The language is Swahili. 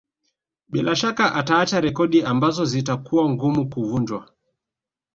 Bila shaka ataacha rekodi ambazo zitakuwa ngumu kuvunjwa